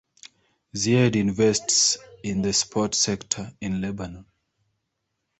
Ziade invests in the sports sector in Lebanon.